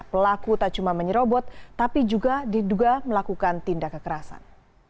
pelaku tak cuma menyerobot tapi juga diduga melakukan tindak kekerasan